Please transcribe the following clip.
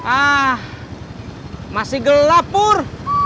ah masih gelap pur